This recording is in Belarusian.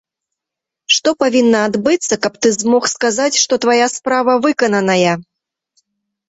Што павінна адбыцца, каб ты змог сказаць, што твая справа выкананая?